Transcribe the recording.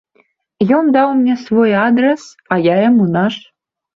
Ён даў мне свой адрас, а я яму наш.